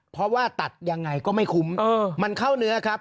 เพราะว่าตัดยังไงก็ไม่คุ้มมันเข้าเนื้อครับ